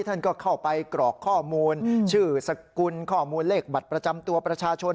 ท่านก็เข้าไปกรอกข้อมูลชื่อสกุลข้อมูลเลขบัตรประจำตัวประชาชน